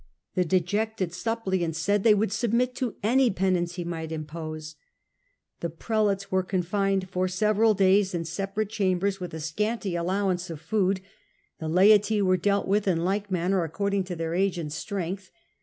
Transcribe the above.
The dejected suppliants said they. would submit to any penance he might impose. The prelates were confined for several days in separate chambers with a scanty Digitized by VjOOQIC Canossa ' 129 allowance of food, the laity were dealt with in like manner according to their age and strength.